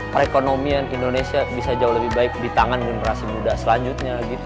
perekonomian indonesia bisa jauh lebih baik di tangan generasi muda selanjutnya